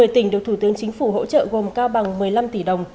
một mươi tỉnh được thủ tướng chính phủ hỗ trợ gồm cao bằng một mươi năm tỷ đồng